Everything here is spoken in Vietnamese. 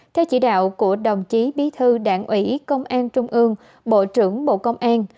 theo chỉ đạo của đồng chí bí thư đảng ủy công an trung ương bộ trưởng bộ công an